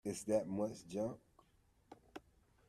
It's that much junk.